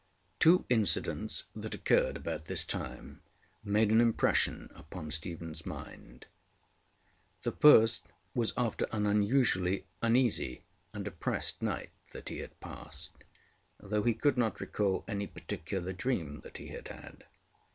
Two incidents that occurred about this time made an impression upon StephenŌĆÖs mind. The first was after an unusually uneasy and oppressed night that he had passedŌĆöthough he could not recall any particular dream that he had had.